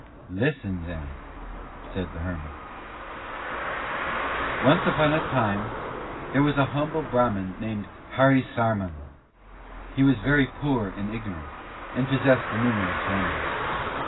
"Listen, then," said the Hermit. "Once upon a time there was a humble Brahman named Harisarman. He was very poor and ignorant, and possessed a numerous family.